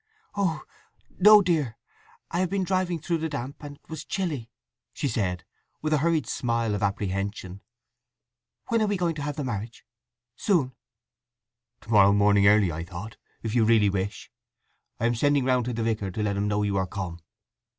"Oh no, dear—I have been driving through the damp, and I was chilly!" she said, with a hurried smile of apprehension. "When are we going to have the marriage? Soon?" "To morrow morning, early, I thought—if you really wish. I am sending round to the vicar to let him know you are come.